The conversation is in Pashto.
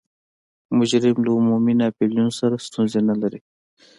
مجرم له عمومي ناپلیون سره ستونزه نلري.